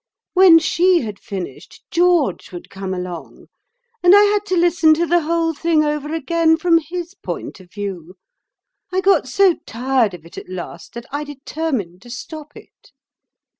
When she had finished, George would come along, and I had to listen to the whole thing over again from his point of view. I got so tired of it at last that I determined to stop it."